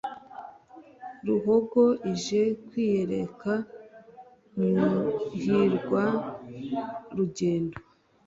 ruhogo ije kwiyereka muhirwa-rugendo.